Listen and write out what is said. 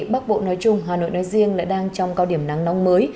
bắc bộ nói chung hà nội nói riêng lại đang trong cao điểm nắng nóng mới